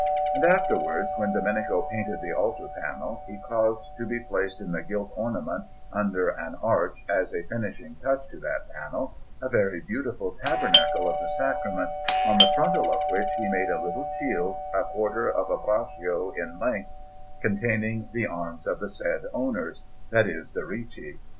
And afterwards, when Domenico painted the altar panel, he caused to be placed in the gilt ornament, under an arch, as a finishing touch to that panel, a very beautiful Tabernacle of the Sacrament, on the frontal of which he made a little shield a quarter of a braccio in length, containing the arms of the said owners that is, the Ricci.